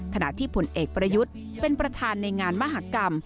ขณะที่ผลเอกประยุทธ์เป็นประธานในงานมหากรรม